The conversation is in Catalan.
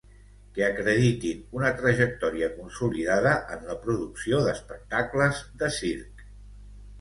Que acreditin una trajectòria consolidada en la producció d'espectacles de circ.